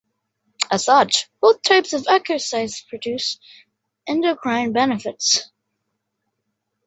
As such, both types of exercise produce endocrine benefits.